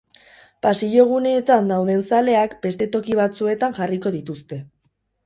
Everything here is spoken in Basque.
Pasillo guneetan dauden zaleak beste toki batzuetan jarriko dituzte.